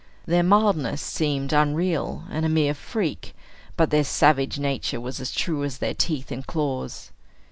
Their mildness seemed unreal, and a mere freak; but their savage nature was as true as their teeth and claws.